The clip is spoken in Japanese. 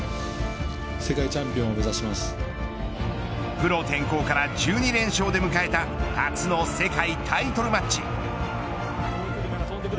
プロ転向から１２連勝で迎えた初の世界タイトルマッチ。